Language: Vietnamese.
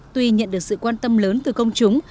tuy nhận được sự quan tâm lớn từ công chúng